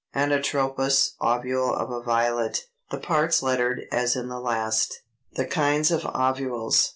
Anatropous ovule of a Violet, the parts lettered as in the last.] 321. =The Kinds of Ovules.